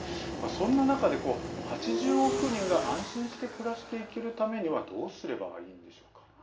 そんな中で、８０億人が安心して暮らしていけるためにはどうすればいいんでしょうか？